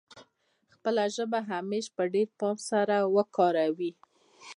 خپله ژبه همېش په ډېر پام سره وکاروي.